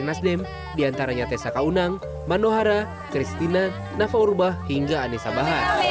nasdem diantaranya tessa kaunang manohara christina nafa urbah hingga anissa bahar